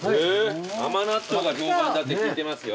甘納豆が評判だって聞いてますよ。